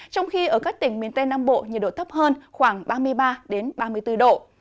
trong khi ở các tỉnh miền tây nam bộ nhiệt độ thấp hơn khoảng ba mươi ba ba mươi bốn độ